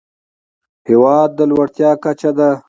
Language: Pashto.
هېواد د لوړتيا کچه ده.